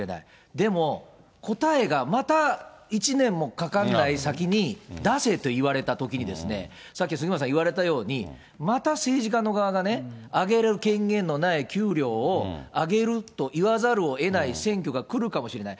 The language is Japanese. でも、答えがまた１年もかかんない先に出せと言われたときにですね、さっき杉村さん言われたように、また政治家の側がね、上げる権限のない給料を上げると言わざるをえない選挙がくるかもしれない。